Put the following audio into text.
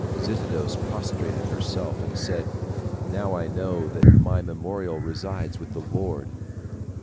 Zitidos prostrated herself, and said, "Now I know that my memorial resides with the Lord."